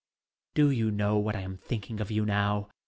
Do you know what I am thinking of you now?